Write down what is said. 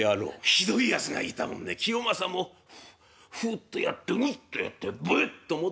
ひどいやつがいたもんで清正も「フッフッ」とやって「うっ」とやって「ぶっ」と戻した。